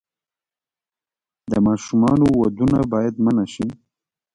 د ماشومانو ودونه باید منع شي.